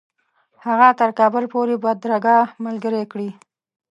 هغه تر کابل پوري بدرګه ملګرې کړي.